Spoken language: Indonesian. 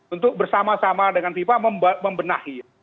untuk bersama sama dengan fifa membenahi